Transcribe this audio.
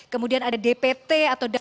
kemudian ada dpt atau